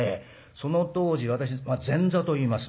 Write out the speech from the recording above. その当時私前座といいます。